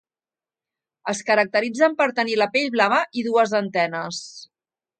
Es caracteritzen per tenir la pell blava i dues antenes.